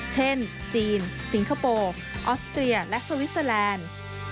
เช่นจีนสิงคโปร์ออสเตรียและสวิสเตอร์แลนด์